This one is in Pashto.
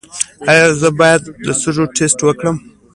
ایا زه باید د سږو ټسټ وکړم؟